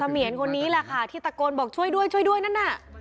เมียนคนนี้แหละค่ะที่ตะโกนบอกช่วยด้วยช่วยด้วยนั่นน่ะ